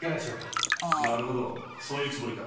なるほどそういうつもりか。